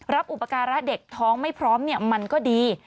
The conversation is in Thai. อุปการะเด็กท้องไม่พร้อมมันก็ดี